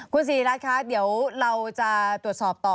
คุณศรีรัฐคะเดี๋ยวเราจะตรวจสอบต่อ